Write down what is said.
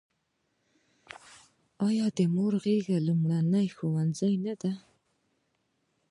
آیا د مور غیږه لومړنی ښوونځی نه دی؟